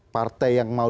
partai yang mau